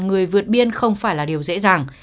người vượt biên không phải là điều dễ dàng